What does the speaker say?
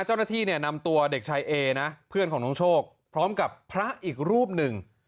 เจ้าหน้าที่เนี่ยนำตัวเด็กชายเอนะเพื่อนของน้องโชคพร้อมกับพระอีกรูปหนึ่ง